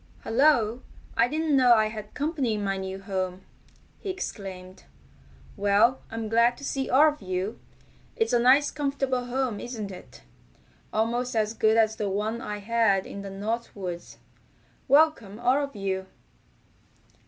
"Hello! I didn't know I had company in my new home!" he exclaimed. "Well, I'm glad to see all of you. It's a nice comfortable home, isn't it? Almost as good as the one I had in the North Woods. Welcome all of you!"